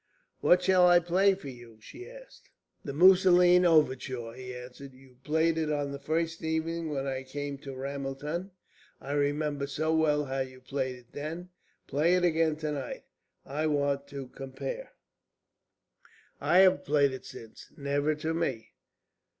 "What shall I play to you?" she asked. "The Musoline Overture," he answered. "You played it on the first evening when I came to Ramelton. I remember so well how you played it then. Play it again to night. I want to compare." "I have played it since." "Never to me."